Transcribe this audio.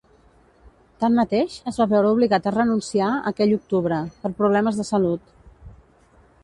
Tanmateix, es va veure obligat a renunciar aquell octubre, per problemes de salut.